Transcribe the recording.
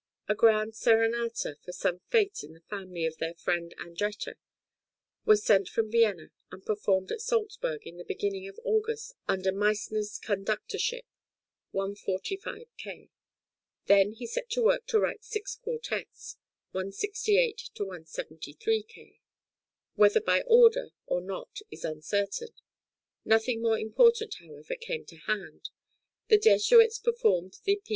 A grand serenata for some fête in the family of their friend Andretter was sent from Vienna and performed at Salzburg in the beginning of August under Meissner's conductorship (145 K.). Then he set to work to write six quartets (168 173 K.), whether by order or not is uncertain; nothing more important, however, came to hand. The Jesuits performed the P.